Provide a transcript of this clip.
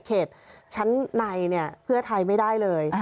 เขตชั้นในเพื่อไทยไม่ได้เลย